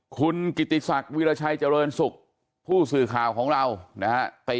คุณกิติศักดิ์วิราชัยเจริญสุขผู้สื่อข่าวของเรานะฮะ